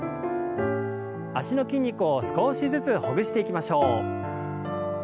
脚の筋肉を少しずつほぐしていきましょう。